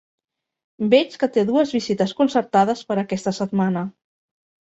Veig que té dues visites concertades per aquesta setmana.